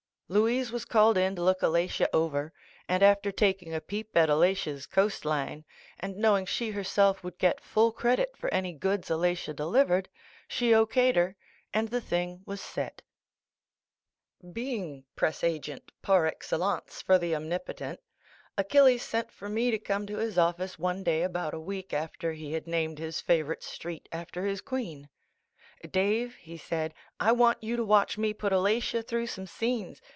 Louise was called in to look Alatia over and after taking a peep at Alatia's coastline and knowing she herself would get full credit for any goods Alatia delivered, she O K'd her, and the thing was set. 106 Photoplay Magazine Being press agent par excellence for the Omnipotent, Achilles sent for me to come to his office one day about a week after he had named his favorite street after his queen. "Dave," he said, "I want you to watch me put Alatia through some scenes.